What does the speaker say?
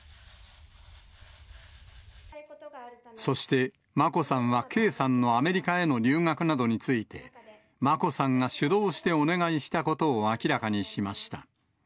そして、眞子さんは圭さんのアメリカへの留学などについて、眞子さんが主導してお願いしたことを明らかにしました。